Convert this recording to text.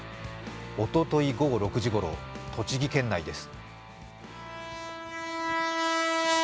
おととい午後６時ごろ、栃木県内です。